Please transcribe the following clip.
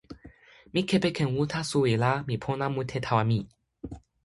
mi kepeken uta suwi la mi pona mute tawa mi.